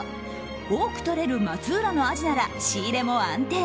多くとれる松浦のアジなら仕入れも安定。